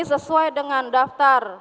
sesuai dengan daftar